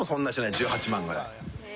１８万ぐらい。